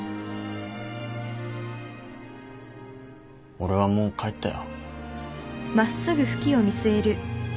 俺はもう帰ったよ。